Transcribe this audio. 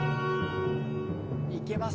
いけます。